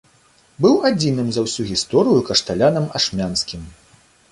Быў адзіным за ўсю гісторыю кашталянам ашмянскім.